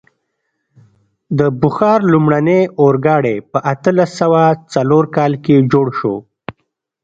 د بخار لومړنی اورګاډی په اتلس سوه څلور کال کې جوړ شو.